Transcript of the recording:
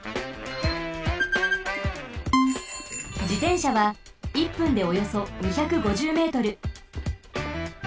じてんしゃは１分でおよそ２５０ｍ。